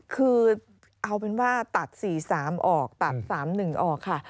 คือเอาเป็นว่าตัด๔๓ออกตัด๓๑ออกค่ะ